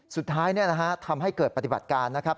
สุดท้ายทำให้เกิดปฏิบัติการนะครับ